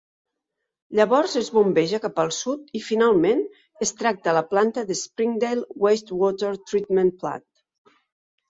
Llavors, es bombeja cap al sud i, finalment, es tracta a la planta de Springdale Wastewater Treatment Plant.